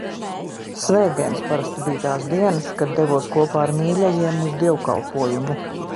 Svētdienas parasti bija tās dienas, kad devos kopā ar mīļajiem uz dievkalpojumu.